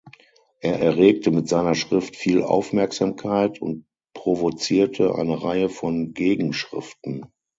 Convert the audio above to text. Er erregte mit seiner Schrift viel Aufmerksamkeit und provozierte eine Reihe von Gegenschriften.